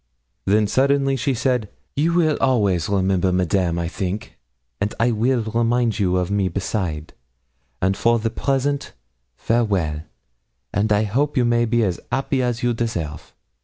Then suddenly she said 'You will always remember Madame, I think, and I will remind you of me beside; and for the present farewell, and I hope you may be as 'appy as you deserve.'